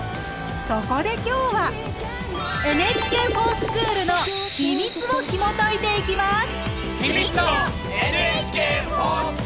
そこで今日は「ＮＨＫｆｏｒＳｃｈｏｏｌ」のヒミツをひもといていきます！